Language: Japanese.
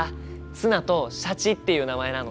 ツナとシャチっていう名前なの。